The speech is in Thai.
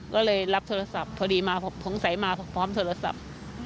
ก็เลยรับโทรศัพท์พอดีมาผมสงสัยมาพร้อมโทรศัพท์